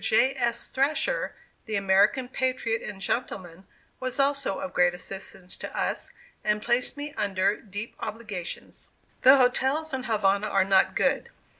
J. S. Thrasher, the American patriot and gentleman, was also of great assistance to us, and placed me under deep obligations. The hotels in Havana are not good.